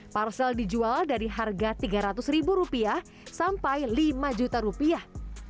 parsel dijual dari harga tiga ratus ribu rupiah sampai lima juta rupiah